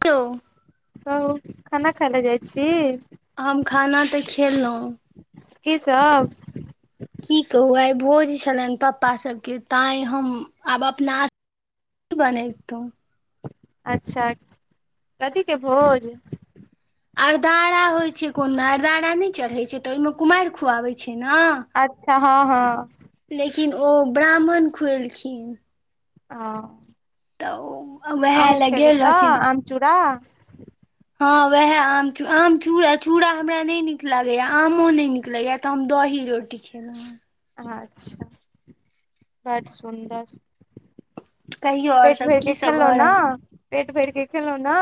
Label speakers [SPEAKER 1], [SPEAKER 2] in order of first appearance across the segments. [SPEAKER 1] तो
[SPEAKER 2] तव खाना खाय ले जाइ छी
[SPEAKER 1] हम खाना तऽ खेलहुँ
[SPEAKER 2] कि सभ
[SPEAKER 1] की कहू आइ भोज छलनि पप्पा सभके तैं हम आब अपना कि बनैबतौं
[SPEAKER 2] अच्छा कथी के भोज
[SPEAKER 1] अरदारा होइ छै कोनो अरदारा नहि चढ़े छै तऽ ओहि मे कुमारि खुआवे छै
[SPEAKER 2] अच्छा हँ हँ
[SPEAKER 1] लेकिन ओ ब्राह्मण खुएलखिन
[SPEAKER 2] आ
[SPEAKER 1] तऽ ओ उएह लए गेल रहथिन
[SPEAKER 2] आमचूड़ा
[SPEAKER 1] हँ वेएहा आम चू आम चूड़ चूड़ा हमरा नहि नीक लगेया आमो न नीक लगेया ते हम दही दही रोटी खेलहुँ
[SPEAKER 2] अच्छा बड़ सुन्दर
[SPEAKER 1] कहियो आओर
[SPEAKER 2] पेट
[SPEAKER 1] सब की
[SPEAKER 2] भरके
[SPEAKER 1] सब
[SPEAKER 2] खेलउ
[SPEAKER 1] भऽ रहल
[SPEAKER 2] ने पेट भरके खेलउ नै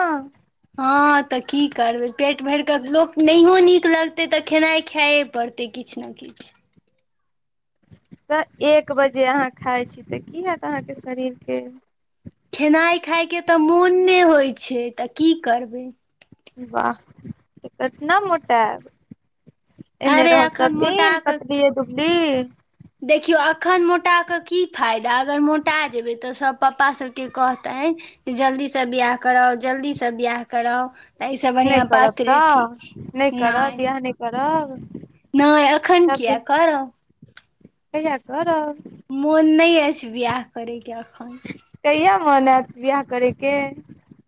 [SPEAKER 1] हँ तऽ की करबै पेट भरिके लोक नहियो नीक लगतै तऽ खेनाइ खाएए पड़तै ओ तेक किछु ने किछु
[SPEAKER 2] तऽ एक बजे अहाँ खाइ छी तऽ की हेत अहाँ के शरीर के
[SPEAKER 1] खेनाइ खााय के तऽ मौन नहि होइत छै तऽ की करबै
[SPEAKER 2] वाह तऽ केतना मोटायब एहने
[SPEAKER 1] अरे
[SPEAKER 2] रहब
[SPEAKER 1] एखन
[SPEAKER 2] सब
[SPEAKER 1] मोटा
[SPEAKER 2] दिन
[SPEAKER 1] कऽ
[SPEAKER 2] पतलीे दुुबली
[SPEAKER 1] देखियौ एखन मोटा कऽ कि फायदा अगर मोटा जेबय तऽ सभ पप्पा सभ के कहतनि जे जल्दीसँ बियाह कराउ जल्दीसँ बियाह कराउ एहिसँ
[SPEAKER 2] नहि
[SPEAKER 1] बढ़िआँ
[SPEAKER 2] करब
[SPEAKER 1] पातरे
[SPEAKER 2] तऽ
[SPEAKER 1] ठीक
[SPEAKER 2] नहि
[SPEAKER 1] छै
[SPEAKER 2] करब बिवाह नहि करब
[SPEAKER 1] नहि एखन किया करब
[SPEAKER 2] कहिय करब
[SPEAKER 1] मोन नहि अछि बियाह करकेअ
[SPEAKER 2] कहिया मोन आयत बियाह करयके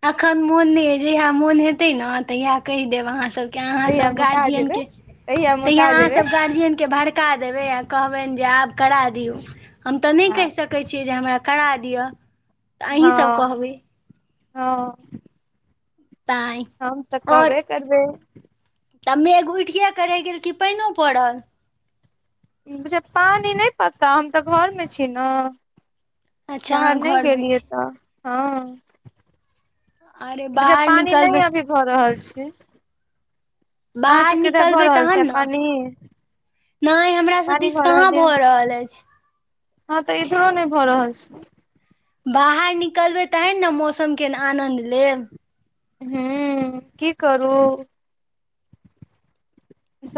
[SPEAKER 1] एखन मोन नहि ये जहिया मोन हेतय नए तहिया कहि देब अहाँ सभ क की
[SPEAKER 2] कहिया
[SPEAKER 1] अहाँसभ
[SPEAKER 2] मोटा
[SPEAKER 1] गारजीयन
[SPEAKER 2] जेबै
[SPEAKER 1] के
[SPEAKER 2] कहिया
[SPEAKER 1] तहिया
[SPEAKER 2] मोटा जेबै
[SPEAKER 1] अहाँसभ गारजीयन के भड़का देबै आ कहबनि जे आब करा दियौ हम तऽ नहि
[SPEAKER 2] आ
[SPEAKER 1] कहि सकैत छियै जे हमरा करा दिअ त आही सभ
[SPEAKER 2] हँ
[SPEAKER 1] कहबै
[SPEAKER 2] हँ
[SPEAKER 1] तैँ
[SPEAKER 2] हम त कहबे करबय
[SPEAKER 1] कियै मेघ उठिये क रहि गेल कि पाइनो पड़ल
[SPEAKER 2] बुझियो पानि नहि पता हम त घरमे छी न
[SPEAKER 1] अच्छा अहाँ
[SPEAKER 2] बाहर नहि
[SPEAKER 1] घरमे
[SPEAKER 2] गेलियै
[SPEAKER 1] छी
[SPEAKER 2] तऽ हँ
[SPEAKER 1] अरे
[SPEAKER 2] बझा
[SPEAKER 1] बाहर
[SPEAKER 2] पानि नहि
[SPEAKER 1] निकलबै
[SPEAKER 2] अभी भऽ रहल छै अहाँ
[SPEAKER 1] बाहर
[SPEAKER 2] सभके इधर भ
[SPEAKER 1] निकलबै
[SPEAKER 2] रहल छै
[SPEAKER 1] तहन ने
[SPEAKER 2] पानि
[SPEAKER 1] नहि हमरा सब दिस कहाँ भ रहल अछि
[SPEAKER 2] हँ तऽ इधरो नहि भ रहल छै
[SPEAKER 1] बाहर निकलबै तहन ने मौसमके आनन्द लेब
[SPEAKER 2] हू की करू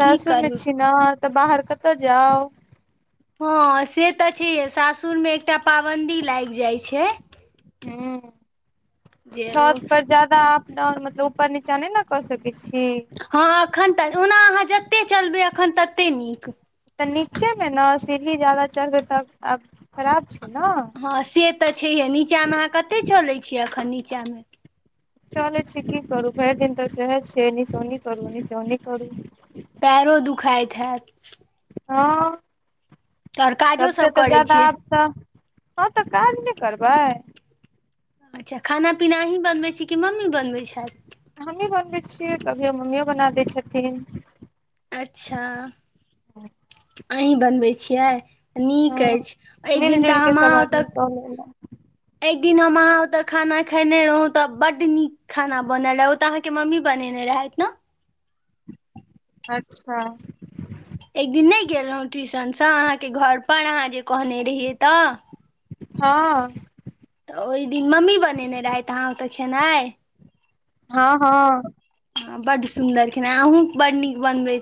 [SPEAKER 1] की करू
[SPEAKER 2] छी ने तऽ बाहर कतय जाउ
[SPEAKER 1] हँ से तऽ छैहे सासुरमे एकटा पाबन्दी लागि जाइत छै
[SPEAKER 2] ह
[SPEAKER 1] जे ओ
[SPEAKER 2] छत पर ज्यादा डाउन मतलब ऊपर नीचा नहि न कऽ सकय छी
[SPEAKER 1] हँ एखन तऽ ओना अहाँ जतेक चलबय एखन ततेक नीक
[SPEAKER 2] तऽ नीचे मे ने सीढी जादा चढबे त अ खराब छै ने
[SPEAKER 1] हँ से तऽ छैहे नीचाँमे अहाँ कतेक चलैत छियै एखन नीचामे
[SPEAKER 2] चल छै की करू भैर दिन त सैहे छै ऐनी सॅ ओनी करू ओनी सॅ एनि करू
[SPEAKER 1] पैरो दुखाइत हैत
[SPEAKER 2] हँ
[SPEAKER 1] आओर काजो
[SPEAKER 2] सबस
[SPEAKER 1] सब
[SPEAKER 2] त
[SPEAKER 1] करै
[SPEAKER 2] ज्यादा
[SPEAKER 1] छियै
[SPEAKER 2] आब त हँ तऽ काज नहि करबय
[SPEAKER 1] अच्छा खाना पीना अही बनबैत छी कि मम्मी बनबैत छैथ
[SPEAKER 2] हमही बनबै छियै कभियो मम्मियो बना दै छथिन
[SPEAKER 1] अच्छा अही बनबै छियै नीक
[SPEAKER 2] हँ
[SPEAKER 1] अछि एक
[SPEAKER 2] मिल
[SPEAKER 1] दिन त
[SPEAKER 2] जुल के
[SPEAKER 1] हम
[SPEAKER 2] सब
[SPEAKER 1] ओत
[SPEAKER 2] आदमी
[SPEAKER 1] एक
[SPEAKER 2] कऽ लेलहुँ
[SPEAKER 1] एक दिन हम अहा ओते खाना खेने रहौं तऽ बड्ड नीक खाना बनल रहे ओ त अहाँ के मम्मी बनेने रहे [unintelligible]
[SPEAKER 2] अच्छा
[SPEAKER 1] एक दिन नहि गेल रहू ट्यूशनसँ अहाँके घर पर अहाँ जे कहने रहियै त
[SPEAKER 2] हँ
[SPEAKER 1] ओहि दिन मम्मी बनेने रहैत आहाक खेनाइ
[SPEAKER 2] हँ हँ
[SPEAKER 1] ह बड सुन्दर खेनाइ अहूँ बड नीक बनबे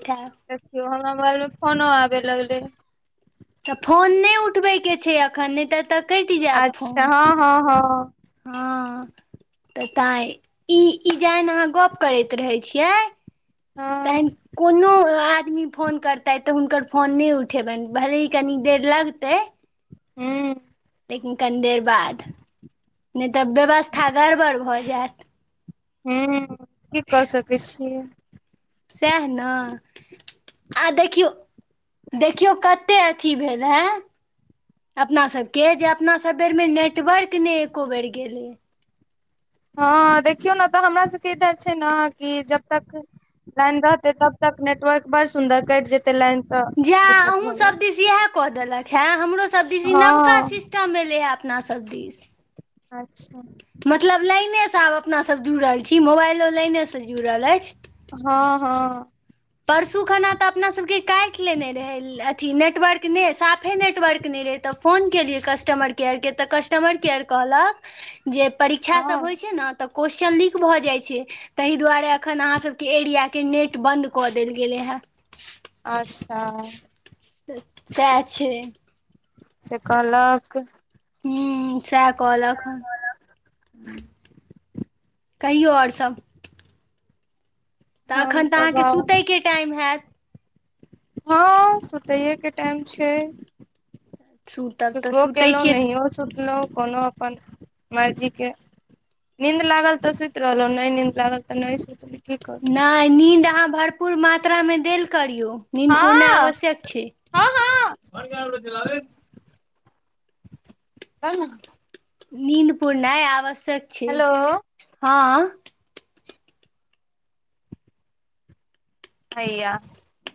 [SPEAKER 2] देखियौ हमरा मोबइलमे फोनो आबे लगलै
[SPEAKER 1] तऽ फोन नहि उठबयके छै एखन नइ त एतय कटि जायत
[SPEAKER 2] अच्छा
[SPEAKER 1] फोन
[SPEAKER 2] हँ हँ हँ
[SPEAKER 1] हँ हाँ तऽ तैई ई ई जहन अहाँ गप करैत रहय छियै
[SPEAKER 2] हँ
[SPEAKER 1] तहन कोनो आ आदमी फोन करतै त हुनकर फोन नहि उठेबनि भलेहीे कनि देर लगतय
[SPEAKER 2] हु
[SPEAKER 1] बाद नहि तऽ व्यवस्था गड़बड़ भऽ जायत
[SPEAKER 2] हू की कऽ सकय छियै
[SPEAKER 1] सेह न आ देखियौ देखियौ कतेक अथी भेल हे अपनासभके जे अपनासभ बेरमे नेटवर्क नहि एको बेर गेलय
[SPEAKER 2] हँ देखियौ ने तऽ हमरा सभके इधर छै ने कि जब तक लाइन रहते तब तक नेटवर्क बड़ सुन्दर कटि जेतै लाइन तऽ
[SPEAKER 1] जे
[SPEAKER 2] दिक्कत भऽ जाइ
[SPEAKER 1] अहूँसभ
[SPEAKER 2] छै
[SPEAKER 1] दिशी इएह कऽ देलक हेँ हमरोसभ दिशी नवका
[SPEAKER 2] हँ
[SPEAKER 1] सिस्टम एलै हेँ अपना सब दिश
[SPEAKER 2] अच्छा
[SPEAKER 1] मतलब लाइनेसँ आब अपनासभ जुड़ल छी मोबाइलो लाइनेसँ जुड़ल अछि
[SPEAKER 2] हँ हँ
[SPEAKER 1] परसू खनाा तऽ अपना सबके काटि लेने रहय अथी नेटवर्क नहि साफे नेटवर्क नहि तऽ फोन केलियै कस्टमर केयरके तऽ कस्टमर केयर कहलक जे परीक्षा
[SPEAKER 2] हँ
[SPEAKER 1] सब होय छै ने तऽ कोसच चन लीक भ जाई छै तहि दुआरे अखन आहा सब के एरिया के नेट बंद कदेल गेलल हँ
[SPEAKER 2] अच्छा
[SPEAKER 1] तऽ सएह छै
[SPEAKER 2] से कहलक
[SPEAKER 1] हू सह कह लक ह
[SPEAKER 2] [unintelligible]
[SPEAKER 1] कहियौ आओर सभ तऽ
[SPEAKER 2] हम
[SPEAKER 1] एखन तऽ अहाँके
[SPEAKER 2] बाबा
[SPEAKER 1] सुतयके टाइम हैत
[SPEAKER 2] हँ सुतैएके टाइम छै
[SPEAKER 1] सुतब तऽ
[SPEAKER 2] सुतबो
[SPEAKER 1] सुतै
[SPEAKER 2] केलहुँ
[SPEAKER 1] छियै
[SPEAKER 2] नहियो सुतलहुँ कोनो अपन मर्जीके निन्द लागल तऽ सुत रहललो नइ निन्द लागल त न नहि सुतलूं
[SPEAKER 1] नहि नीन्द अहाँ भरपूर मात्रामे देल करियौ नीद पूर्ण आवश्यक छै
[SPEAKER 2] बर कै छैे ने
[SPEAKER 1] नींद पुरनाइ आवश्यक छै
[SPEAKER 2] हेलो
[SPEAKER 1] हँ
[SPEAKER 2] हयया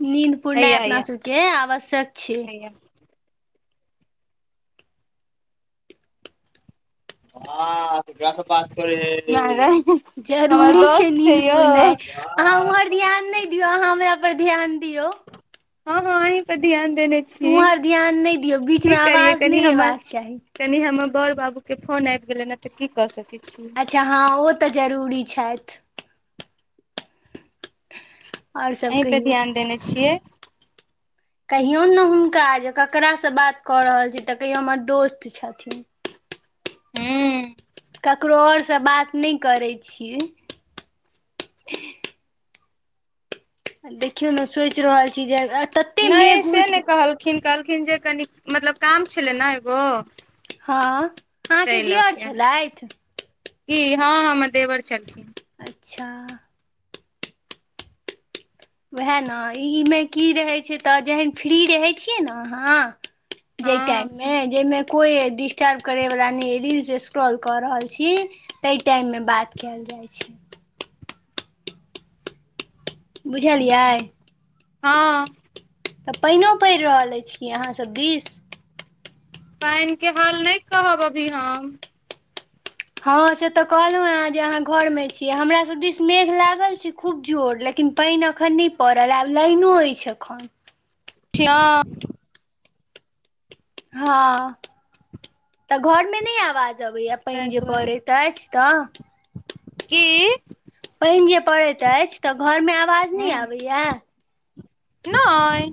[SPEAKER 1] नींद पुरनाइ अपना सबके आवश्यक छै
[SPEAKER 2] हैया बा केकरा से बात कर हे
[SPEAKER 1] जरूरी छै नींद पुरनाइ अहाँ ओम्हर ध्यान नहि दियौ अहाँ हमरा पर ध्यान दियों
[SPEAKER 2] हँ हँ अही पर ध्यान देने छी
[SPEAKER 1] उम्हर ध्यान नहि दियौ
[SPEAKER 2] कि
[SPEAKER 1] बीचमे
[SPEAKER 2] करिये
[SPEAKER 1] आवाज
[SPEAKER 2] कनी
[SPEAKER 1] नहि
[SPEAKER 2] हमर
[SPEAKER 1] अयबाक चाही
[SPEAKER 2] कनी हम बड़ बाबू के फोन आबि गेले ने त की क सकी छी
[SPEAKER 1] अच्छा हँ ओ तऽ जरूरी छथि आओर सब
[SPEAKER 2] अहीं पे
[SPEAKER 1] कहियौ
[SPEAKER 2] ध्यान देने छियै
[SPEAKER 1] कहियो ने हुनका जे ककरास से बात कऽ रहल छी तऽ कहियो हमर दोस्त छथिन
[SPEAKER 2] हू
[SPEAKER 1] ककरो आओरसँ बात नहि करै छियै आ देखियौ ने सोचि रहल छी जे तते
[SPEAKER 2] नहि
[SPEAKER 1] मेघ
[SPEAKER 2] से नहि
[SPEAKER 1] उठि
[SPEAKER 2] कहलखिन कहलखिन जे कनि मतलब काम छलै ने एगो
[SPEAKER 1] हँ अहाँके
[SPEAKER 2] ताहि लऽ
[SPEAKER 1] दिअर छलथि
[SPEAKER 2] हँ हँ हमर देवर छलखिन
[SPEAKER 1] अच्छा उएह ने ईमे की रहैत छै तऽ जखन फ्री रहै छियै ने अहाँ
[SPEAKER 2] हँ
[SPEAKER 1] जेटाइम मे जेमे कोई डिस्टर्ब करै वाला ने रीलस स्क्रॉल क रहल छी ते टाइम में बात कल जाइ छै
[SPEAKER 2] हँ [unintelligible]
[SPEAKER 1] बुझलियै
[SPEAKER 2] हँ
[SPEAKER 1] तऽ पानिओ पड़ि रहल अछि कि अहाँसभ दिस
[SPEAKER 2] पानि के हाल नहि कहब अभी हम
[SPEAKER 1] हँ से तऽ कहलहुँ हेँ जे अहाँ घरमे छीयै हमरा सभ दिस मेघ लागल छै खूब जोर लेकिन लेकिन पानि एखन नहि पड़ल आब लाइनो अछि एखन
[SPEAKER 2] ह
[SPEAKER 1] हँ तऽ घर मे नहि आवाज अबैया पानि
[SPEAKER 2] ताहि
[SPEAKER 1] जे पड़ैत अछि तऽ
[SPEAKER 2] की
[SPEAKER 1] पानि जे पड़ैत अछि तऽ घरमे आवाज नहि
[SPEAKER 2] हँ
[SPEAKER 1] आबैया
[SPEAKER 2] नहि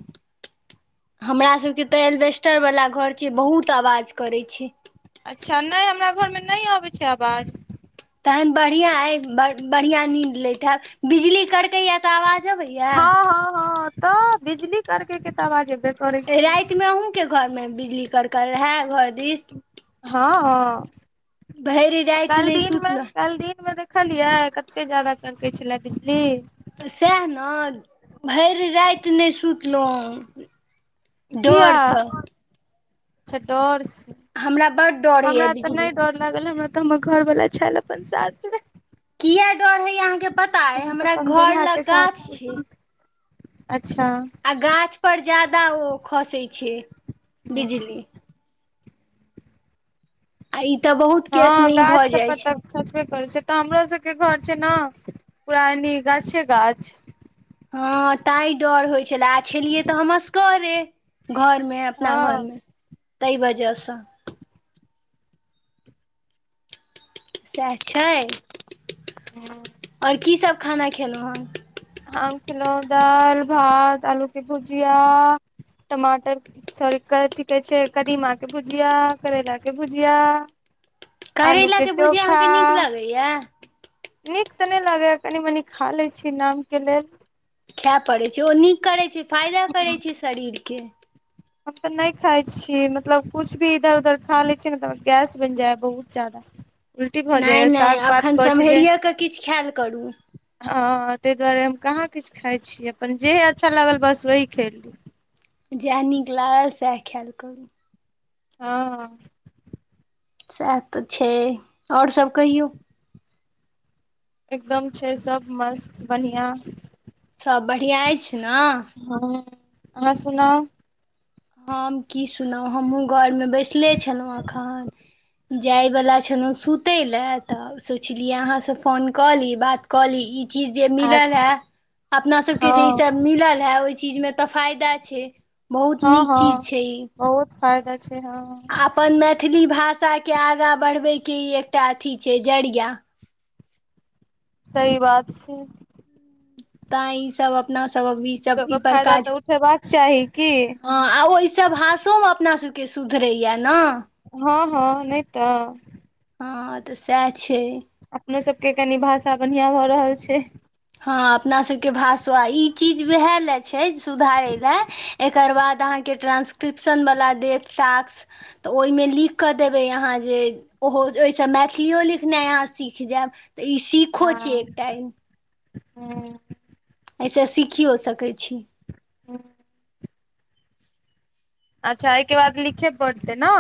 [SPEAKER 1] हमरा सबके तऽ एल्वेस्टर वाला घर छै बहुत आवाज करै छै
[SPEAKER 2] अच्छा नहि हमरा घरमे नहि आबै छै आवाज
[SPEAKER 1] तहन बढ़िआँ अइ बढ़िआँ नीद लैतब बिजली करकैया तऽ आवाज आवाज अवय यै
[SPEAKER 2] हँ हँ हँ तऽ बिजली करकेे के तऽ आवाज अयबे करै छै
[SPEAKER 1] घर में बिजली करक हैय घर दिस
[SPEAKER 2] हँ हँ
[SPEAKER 1] भरि राति
[SPEAKER 2] कल
[SPEAKER 1] नहि
[SPEAKER 2] दिन में
[SPEAKER 1] सुतलहुँ
[SPEAKER 2] कल दिन में देख देखलियै कते ज्यादा तरकै छलै बिजली
[SPEAKER 1] सएह ने भरि राति नहि सुतलहुँ
[SPEAKER 2] किया
[SPEAKER 1] डर सए
[SPEAKER 2] अच्छा डर से
[SPEAKER 1] बड्ड डर होइए
[SPEAKER 2] हमरा तऽ नहि
[SPEAKER 1] बिजली
[SPEAKER 2] डर लागल हमरा तऽ म घर बला छाल अपन साथ में
[SPEAKER 1] किए डर हइ अहाँके पता अइ
[SPEAKER 2] तऽ
[SPEAKER 1] हमरा
[SPEAKER 2] अपन
[SPEAKER 1] घर
[SPEAKER 2] दुल्हा के
[SPEAKER 1] लग
[SPEAKER 2] साथ
[SPEAKER 1] गाछ छै
[SPEAKER 2] अच्छा
[SPEAKER 1] आ गाछ पर ज्यादा ओ खसै छै
[SPEAKER 2] हूँ।
[SPEAKER 1] बिजली आइ
[SPEAKER 2] हँ गाछ सब पर तऽ खसबे करै छै तऽ हमरा सबके घर छै ने परा एनि गाछे गाछ
[SPEAKER 1] हँ ताहि डर होइत छलए आ छलियै तऽ हम असगरे घरमे अपना
[SPEAKER 2] हँ
[SPEAKER 1] घरमे ताहि वजहसँ सएह छै आओर की सभ खाना खेलहुँ हेँ
[SPEAKER 2] हम खेलू दाल भात आलूके भुजिया टमाटर सॉरी कथि कहै छै कदीमा के भुजिया करैला के भुजिया हँ
[SPEAKER 1] करैला के भुजी अहाँकेँ नीक लगैएा
[SPEAKER 2] नीक तऽ नहि लागैए कनि मनी खा लैत छी नामके लेल
[SPEAKER 1] खाय पड़ैत छै ओ नीक करैत छै फायदा करैत छै शरीरके
[SPEAKER 2] हम तऽ नहि खाइ छीयै मतलब कुछ भी इधर उधर खा लै छीयै ने तऽ गैस बनि जाय ह बहुत जादा उल्टी भऽ जाइ
[SPEAKER 1] नहि
[SPEAKER 2] य
[SPEAKER 1] नहि
[SPEAKER 2] साग पात
[SPEAKER 1] एखन
[SPEAKER 2] कह छै जे
[SPEAKER 1] सम्हरिए कऽ किछु खायल करू
[SPEAKER 2] हँ ताहि दुआरे हम कहाँ किछु खाइ छीय अपन जेहे अच्छा लागल बस ओही खली
[SPEAKER 1] जएह नीक लागल सएह खायल करू
[SPEAKER 2] ह
[SPEAKER 1] सएह तऽ छै आओर सभ कहियौ
[SPEAKER 2] एकदम छै सब मस्त बढ़िआँ
[SPEAKER 1] सभ बढ़िआँ अछि ने
[SPEAKER 2] हँ अहाँ सुना
[SPEAKER 1] हम की सुनहु हमहूँ घरमे बैसले छलहुँ एखन जाइत छलहुँ सुतै ल तऽ सोचलियै अहाँसँ फोन कऽ ली बात कऽ चीज जे मिलल है
[SPEAKER 2] आज
[SPEAKER 1] अपना सबके जे ई
[SPEAKER 2] हँ
[SPEAKER 1] सब मिलल हैय ओहि चीज में तऽ फायदा छैइ बहुत
[SPEAKER 2] हँ
[SPEAKER 1] नीक
[SPEAKER 2] हँ
[SPEAKER 1] चीज छै ई
[SPEAKER 2] बहुत फायदा छै हँ
[SPEAKER 1] आ अपन मैथिली भाषाके आगाँ बढ़बैके ई एकटा अथी छैइजरिया
[SPEAKER 2] सही बात छै
[SPEAKER 1] त ई सब अपना
[SPEAKER 2] तऽ
[SPEAKER 1] ईसब
[SPEAKER 2] ओकर
[SPEAKER 1] ई पर
[SPEAKER 2] फायदा
[SPEAKER 1] काज
[SPEAKER 2] तऽ उठेबाक चाही की
[SPEAKER 1] हां ओइ से भासो अपना सब के सुधरैया न
[SPEAKER 2] हंअ् हंअ् नई तऽ
[SPEAKER 1] हां तऽ सएह छै
[SPEAKER 2] अपनो सभके कनि भाषा बढ़िआँ भऽ रहल छै
[SPEAKER 1] हँ अपना सबके भाषो ई चीज वएह लए छैइ सुधारै लए एकर बाद अहाँके ट्रांसक्रिप्शन बला देत टाक्स तो ओय में लिख कर देबै आहां जे ओहिसँ मैथिलि लिखनाइ अहाँ सीख जायब तऽ ई सीखो छी अय एक टाइम
[SPEAKER 2] हं
[SPEAKER 1] एहिसँ सीखियो सकई छी
[SPEAKER 2] हंअ अच्छा अईके बाद रिचेक करत हेतय न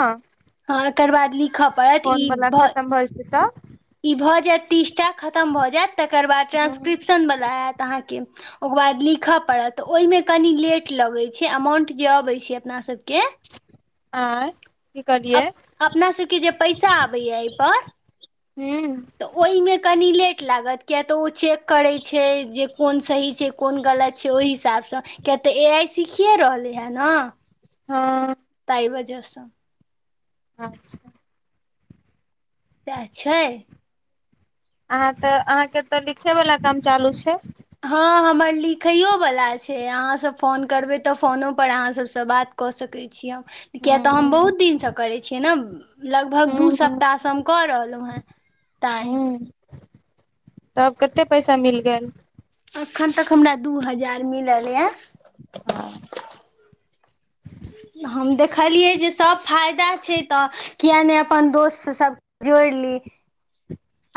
[SPEAKER 1] हँ एकर बाद लिखऽ पड़त ई
[SPEAKER 2] वला
[SPEAKER 1] भ
[SPEAKER 2] खतम भऽ जेतै तऽ
[SPEAKER 1] ई भऽ जायत तीसटा खतम भऽ जायत तकर बाद
[SPEAKER 2] हँ
[SPEAKER 1] ट्रांस्क्रिप्शन वला आयत तऽ अहाँके ओकर बाद लिखऽ पड़त तऽ ओहिमे कनि लेट लगैत छैइ अमाउंट जे अबैत छैइ अपना सब
[SPEAKER 2] आ
[SPEAKER 1] अप अपना सबके जे पैसा आबैया अई पर
[SPEAKER 2] हूँ
[SPEAKER 1] तऽ ओईमें क कनि लेट लागत किया तऽ ओ चेक करैय छैजे कोन सही छैकोन गलत छैइ ओहि हिसाब से तऽ किया तऽ ए आइ सीखिए रहलैइ हैय न
[SPEAKER 2] हँ
[SPEAKER 1] तइ बजह से
[SPEAKER 2] अच्छा
[SPEAKER 1] सएह छै
[SPEAKER 2] अहाँ तऽ अहाँके तऽ लिखो वला काम चालू छैइ
[SPEAKER 1] हँ हमर लिखैइओवला छैइ अहाँसब फोन करबै तऽ फोनो पर अहाँसब से बात कऽ सकैइ छीयै किये
[SPEAKER 2] हूँ
[SPEAKER 1] तऽ हम बहुत दिनसँ करैइ छियै न लगभग दू
[SPEAKER 2] हूँ हूँ
[SPEAKER 1] सप्ताह से हम कऽ रहलहुँह तैं
[SPEAKER 2] त आब कते पैसा मिल गेल
[SPEAKER 1] अखन तक हमरा दू हजार मिलल एयऽ
[SPEAKER 2] हँ
[SPEAKER 1] हम देखलियै जे सब फायदा छैइ तऽ किया न अपन दोस्त सब जोड़ि ली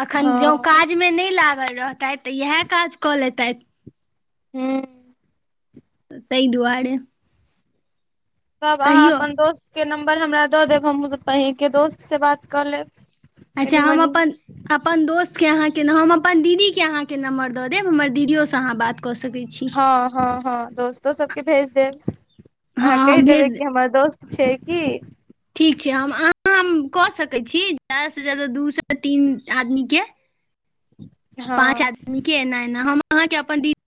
[SPEAKER 1] एखन जँ
[SPEAKER 2] हूँ
[SPEAKER 1] काज में नई लागल रहतैथ तऽ इएह काज कऽ लेतैथ
[SPEAKER 2] हूं
[SPEAKER 1] तैइ दुआरे
[SPEAKER 2] तब अहाँ
[SPEAKER 1] कहियौ
[SPEAKER 2] अपन दोस्तके नम्बर हमरा दऽ देब हम आहांके दोस्त से बात कऽ लेब
[SPEAKER 1] अच्छा
[SPEAKER 2] कनि
[SPEAKER 1] हम
[SPEAKER 2] मनि
[SPEAKER 1] अपन अपन दोस्त के अहाँ के हम अपन दीदी के अहाँके नम्बर दऽ देब हमर दीदियोसँ अहाँ बात कऽ सकै छी
[SPEAKER 2] हां हां हां दोस्तो सबके भेज देब
[SPEAKER 1] हँ
[SPEAKER 2] अहाँ कहि
[SPEAKER 1] हम
[SPEAKER 2] देबै
[SPEAKER 1] भेज देब
[SPEAKER 2] कि हमर दोस्त छैइ की
[SPEAKER 1] ठीक छैइ हम अहाँ हम कऽ सकैइ छी ज्यादासँ ज्यादा दूसँ तीन आदमीके पाँच
[SPEAKER 2] हँ
[SPEAKER 1] आदमी के एना एना हम अहाँके अपन दीदी